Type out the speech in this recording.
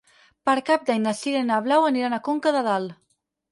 Per Cap d'Any na Sira i na Blau iran a Conca de Dalt.